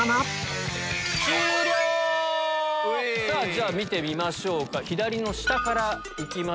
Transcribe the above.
じゃあ見てみましょうか左の下からいきましょう。